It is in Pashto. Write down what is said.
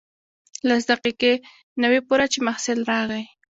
لس دقیقې نه وې پوره چې محصل راغی.